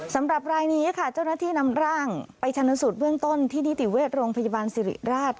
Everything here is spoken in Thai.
สำหรับรายนี้ค่ะเจ้าหน้าที่นำร่างไปชนสูตรเบื้องต้นที่นิติเวชโรงพยาบาลสิริราช